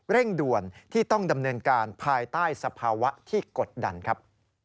เร่งด่วนที่ต้องดำเนินการภายใต้สภาวะที่กดดันครับ